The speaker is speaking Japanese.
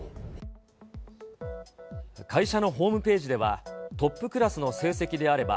会社のホームページでは、トップクラスの成績であれば、